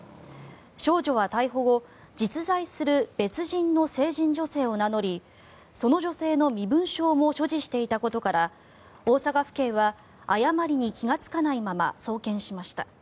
少女は逮捕後実在する別人の成人女性を名乗りその女性の身分証も所持していたことから大阪府警は誤りに気がつかないまま送検しました。